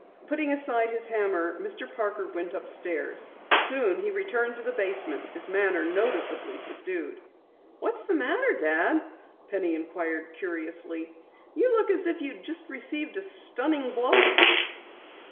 Putting aside his hammer, Mr. Parker went upstairs. Soon he returned to the basement, his manner noticeably subdued. "What's the matter, Dad?" Penny inquired curiously. "You look as if you had just received a stunning blow."